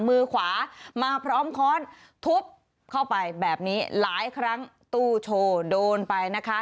มือขวามาพร้อมค้อนทุบเข้าไปแบบนี้หลายครั้งตู้โชว์โดนไปนะคะ